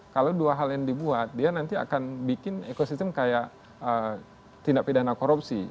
kalau dua hal yang dibuat dia nanti akan bikin ekosistem kayak tindak pidana korupsi